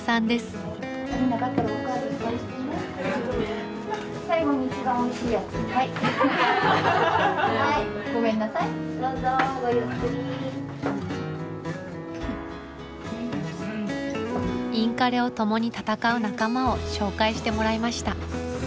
インカレを共に戦う仲間を紹介してもらいました。